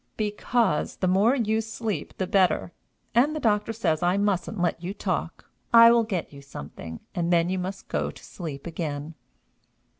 "Because the more you sleep the better. And the doctor says I mustn't let you talk. I will get you something, and then you must go to sleep again."